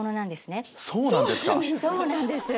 そうなんですか？